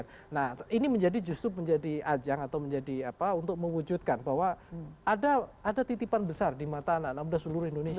nah ini justru menjadi ajang atau menjadi apa untuk mewujudkan bahwa ada titipan besar di mata anak anak muda seluruh indonesia